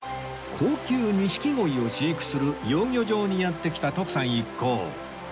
高級錦鯉を飼育する養魚場にやって来た徳さん一行